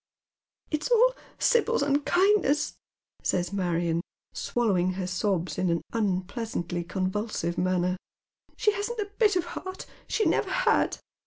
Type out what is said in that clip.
•' It's all Sibyl's unkindness," says Marion, swallowing her sobs in an unpleasantly convulsive manner. " She hasn't a bit of heart, she never had.